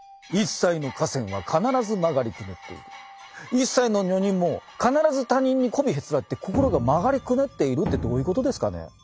一切の女人も必ず他人にこびへつらって心が曲がりくねっているってどういうことですかね。